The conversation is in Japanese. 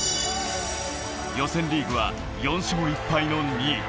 予選リーグは４勝１敗の２位。